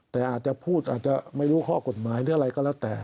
แต่อาจจะพูดอาจจะไม่รู้ข้อกฎหมายหรืออะไรก็แล้วแต่